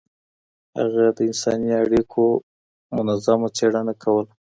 هغه د انساني اړيکو منظمه څېړنه کوله.